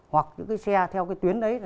hoặc cái xe theo cái tuyến đấy